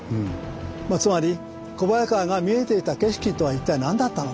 つまり小早川が見えていた景色とは一体何だったのか？